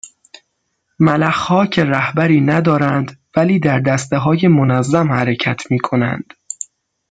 ملخها که رهبری ندارند ولی در دستههای منظم حرکت میکنند